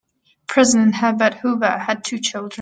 President Herbert Hoover had two children.